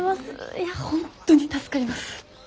いや本当に助かります。